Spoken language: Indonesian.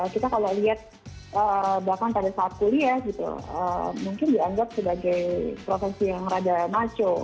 kita kalau lihat bahkan pada saat kuliah gitu mungkin dianggap sebagai profesi yang rada maco